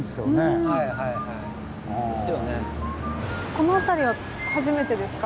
この辺りは初めてですか？